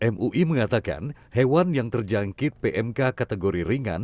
mui mengatakan hewan yang terjangkit pmk kategori ringan